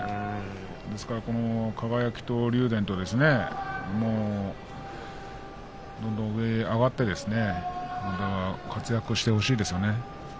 ですから輝と竜電、どんどん上へ上がって活躍してほしいですね。